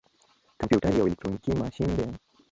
کمپيوټر يو اليکترونيکي ماشين دی.